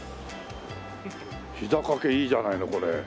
ひざ掛けいいじゃないのこれ。